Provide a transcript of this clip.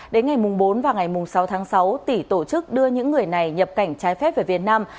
đến ngày bốn và ngày sáu tháng sáu tỉ tổ chức đưa những người này nhập cảnh trái phép về việt nam